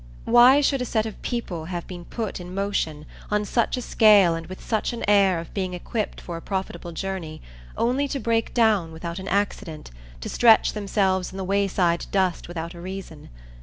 Why should a set of people have been put in motion, on such a scale and with such an air of being equipped for a profitable journey, only to break down without an accident, to stretch themselves in the wayside dust without a reason?